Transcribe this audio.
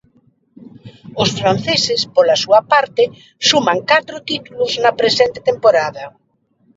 Os franceses, pola súa parte, suman catro títulos na presente temporada.